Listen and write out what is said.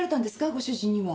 ご主人には。